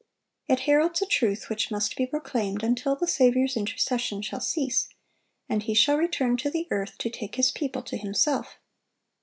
It heralds a truth which must be proclaimed until the Saviour's intercession shall cease, and He shall return to the earth to take His people to Himself.